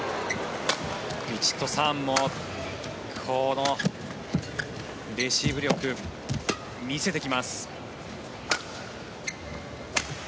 ヴィチットサーンもレシーブ力を見せてきます。